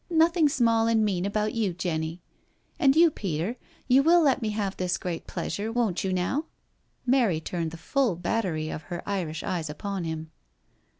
" Nothing small and mean about you, Jenny I And you, Peter, you will let me have this great pleasure, won't you now?" Mary turned the full battery of her Irish eyes upon him.